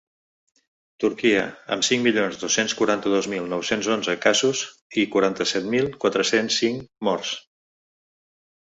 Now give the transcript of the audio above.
Turquia, amb cinc milions dos-cents quaranta-dos mil nou-cents onze casos i quaranta-set mil quatre-cents cinc morts.